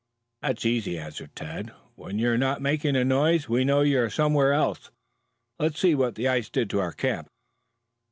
"That's easy," answered Tad. "When you're not making a noise we know you're somewhere else. Let's see what the ice did to our camp."